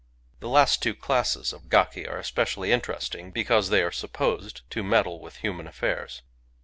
The last two classes of gaki are especially interesting, because they are sup posed to meddle with human affairs.